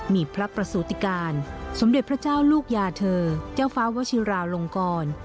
มีพระประสูติการสมเด็จพระเจ้าลูกยาเธอเจ้าฟ้าวชิราลงกร